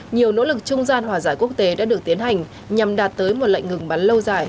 nhiều nỗ lực trung gian hòa giải quốc tế đã được tiến hành nhằm đạt tới một lệnh ngừng bắn lâu dài